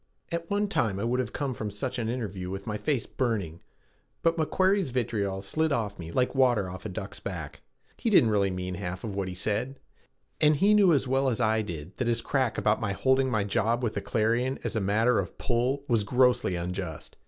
At one time I would have come from such an interview with my face burning, but McQuarrie's vitriol slid off me like water off a duck's back. He didn't really mean half of what he said, and he knew as well as I did that his crack about my holding my job with the Clarion as a matter of pull was grossly unjust.